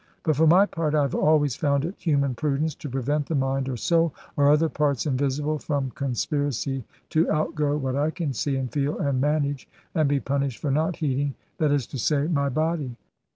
But for my part, I have always found it human prudence to prevent the mind, or soul, or other parts invisible, from conspiracy to outgo, what I can see, and feel, and manage, and be punished for not heeding that is to say, my body.